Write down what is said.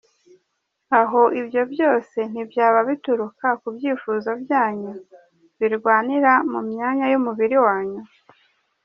Aho ibyo byose ntibyaba bituruka ku byifuzo byanyu, birwanira mu myanya y’umubiri wanyu ?